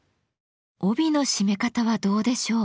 帯の締め方はどうでしょう？